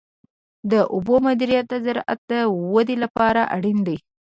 د اوبو مدیریت د زراعت د ودې لپاره اړین دی.